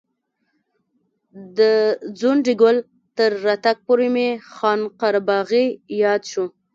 د ځونډي ګل تر راتګ پورې مې خان قره باغي یاد شو.